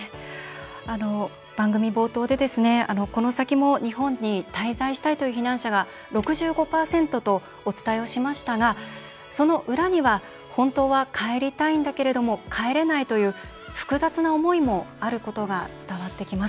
番組冒頭で、この先も日本に滞在したいという避難者が６５％と、お伝えをしましたがその裏には「本当は帰りたいんだけれども帰れない」という複雑な思いもあることが伝わってきます。